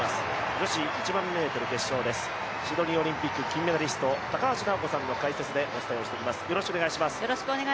女子１００００ｍ決勝です、シドニーオリンピック金メダリスト高橋尚子さんの解説でお伝えをしております。